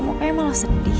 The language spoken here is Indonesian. makanya malah sedih ya